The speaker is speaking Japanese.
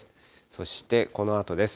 そしてこのあとです。